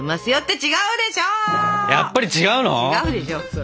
違うでしょそら。